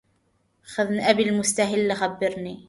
خدن أبي المستهل خبرني